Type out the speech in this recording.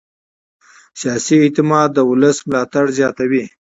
سیاسي اعتماد د ولس ملاتړ زیاتوي